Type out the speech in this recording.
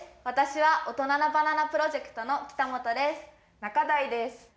わたしは大人なバナナプロジェクトの北本です。